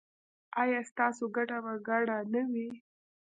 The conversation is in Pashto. ایا ستاسو ګټه به ګډه نه وي؟